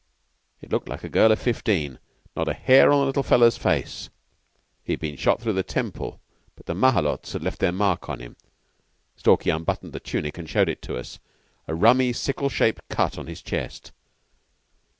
It looked like a girl of fifteen not a hair on the little fellow's face. He'd been shot through the temple, but the Malôts had left their mark on him. Stalky unbuttoned the tunic, and showed it to us a rummy sickle shaped cut on the chest.